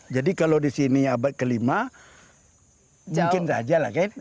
jadi kalau di sini abad ke lima mungkin saja lah kan